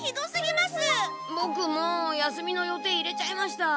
ボクもう休みの予定入れちゃいました。